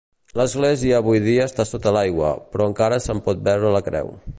L'església avui dia està sota l'aigua, però encara se'n pot veure la creu.